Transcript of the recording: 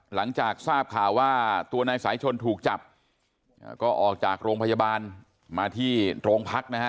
หลังจากทราบข่าวว่าตัวนายสายชนถูกจับก็ออกจากโรงพยาบาลมาที่โรงพักนะฮะ